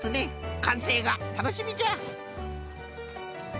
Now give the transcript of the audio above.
かんせいがたのしみじゃ！